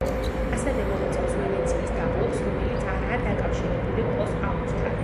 ასევე მოიცავს ვენეციის დაბლობს, რომელიც არაა დაკავშირებული პოს აუზთან.